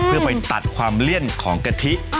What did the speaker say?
เพื่อไปตัดความเลี่ยนของกะทิ